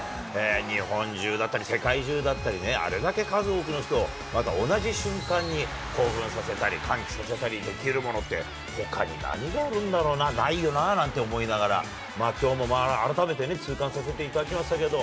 日本中だったり、世界中だったりね、あれだけ数多くの人をまた同じ瞬間に興奮させたり、歓喜させたりできるものって、ほかに何があるんだろうな、ないよなあなんて思いながら、きょうも改めて、痛感させていただきましたけど。